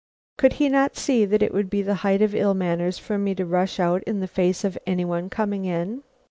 Could he not see that it would be the height of ill manners for me to rush out in the face of any one coming in?